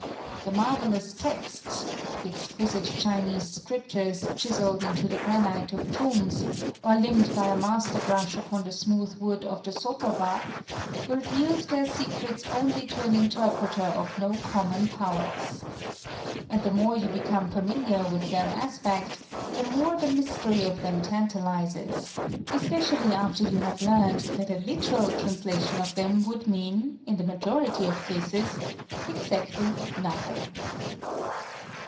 The marvellous texts, the exquisite Chinese scriptures chiselled into the granite of tombs, or limned by a master brush upon the smooth wood of the sotoba, will yield their secrets only to an interpreter of no common powers. And the more you become familiar with their aspect, the more the mystery of them tantalizes, especially after you have learned that a literal translation of them would mean, in the majority of cases, exactly nothing!